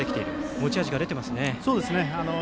持ち味が出ていますね。